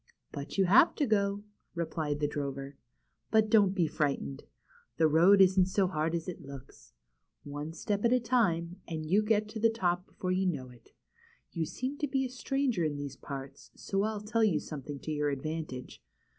^^But you have to go," replied the drover. ^^But don't be frightened. The road isn't so hard as it looks. One step at a time, and you get to the top before you know it. You seem to be a stranger in these parts, so I'll tell you something to your advantage.